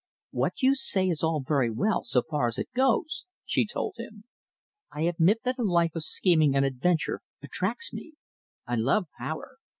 "What you say is all very well so far as it goes," she told him. "I admit that a life of scheming and adventure attracts me. I love power.